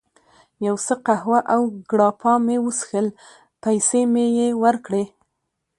یو څه قهوه او ګراپا مې وڅښل، پیسې مې یې ورکړې.